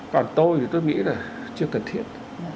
còn tôi thì tôi nghĩ là chưa cần thiết